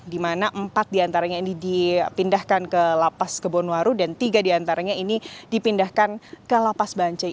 dimana empat diantaranya ini dipindahkan ke lapas kebonwaru dan tiga diantaranya ini dipindahkan ke lapas banci